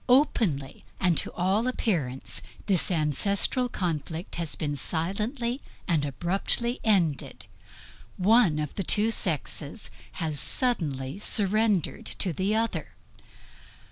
Openly and to all appearance, this ancestral conflict has silently and abruptly ended; one of the two sexes has suddenly surrendered to the other.